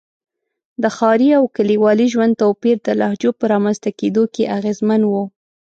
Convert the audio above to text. د ښاري او کلیوالي ژوند توپیر د لهجو په رامنځته کېدو کې اغېزمن و.